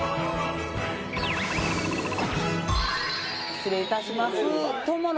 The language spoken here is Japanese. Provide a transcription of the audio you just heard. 「失礼いたします」